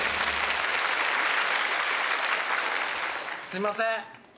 すいません。